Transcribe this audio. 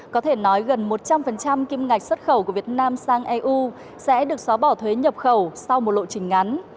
có thể nói gần một trăm linh kim ngạch xuất khẩu của việt nam sang eu sẽ được xóa bỏ thuế nhập khẩu sau một lộ trình ngắn